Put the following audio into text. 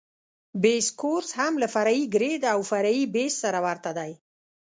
بیس کورس هم له فرعي ګریډ او فرعي بیس سره ورته دی